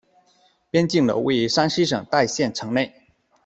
边靖楼位于山西省代县城内。